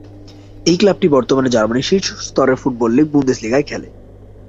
এই ক্লাবটি বর্তমানে জার্মানির শীর্ষ স্তরের ফুটবল লীগ বুন্দেসলিগায় খেলে।